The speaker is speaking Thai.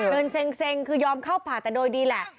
เซ็งคือยอมเข้าผ่าแต่โดยดีแหละ